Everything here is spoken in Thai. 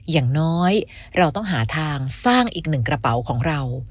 อย่างน้อยเราต้องหาทางสร้างอีกหนึ่งกระเป๋าของเรา